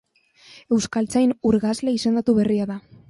Euskaltzain urgazle izendatu berria da.